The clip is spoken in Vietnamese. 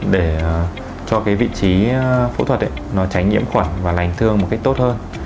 để cho cái vị trí phẫu thuật ấy nó tránh nhiễm khuẩn và lành thương một cách tốt hơn